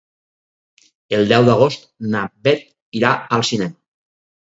El deu d'agost na Bet irà al cinema.